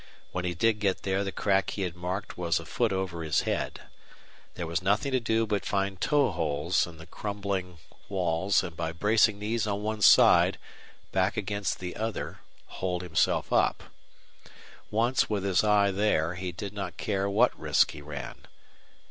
When he did get there the crack he had marked was a foot over his head. There was nothing to do but find toe holes in the crumbling walls, and by bracing knees on one side, back against the other, hold himself up Once with his eye there he did not care what risk he ran.